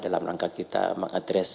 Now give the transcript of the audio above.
dalam rangka kita mengadres